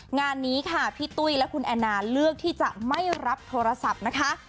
งานนี้ค่ะพี่ตุ้ยและคุณแอนนาเลือกที่จะไม่รับโทรศัพท์นะคะ